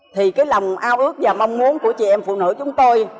thì cái lòng ao ước và mong muốn của chị em phụ nữ chúng tôi